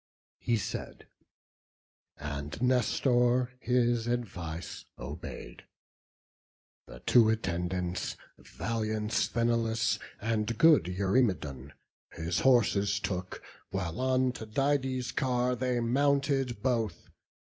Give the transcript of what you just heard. He said; and Nestor his advice obey'd: The two attendants, valiant Sthenelus, And good Eurymedon, his horses took, While on Tydides' car they mounted both.